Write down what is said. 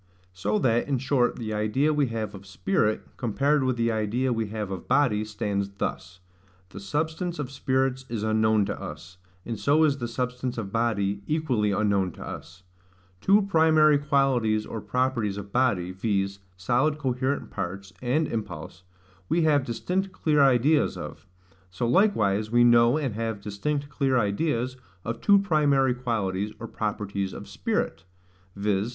So that, in short, the idea we have of spirit, compared with the idea we have of body, stands thus: the substance of spirits is unknown to us; and so is the substance of body equally unknown to us. Two primary qualities or properties of body, viz. solid coherent parts and impulse, we have distinct clear ideas of: so likewise we know, and have distinct clear ideas, of two primary qualities or properties of spirit, viz.